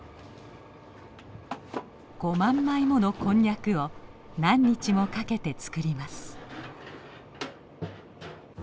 ５万枚ものこんにゃくを何日もかけて作ります。